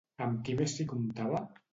Amb qui més s'hi comptava?